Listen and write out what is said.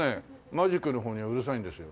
マジックの方にはうるさいんですよ。